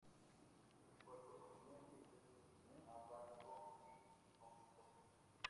El aeropuerto cuenta con un servicio directo de autobuses a Växjö y Jönköping.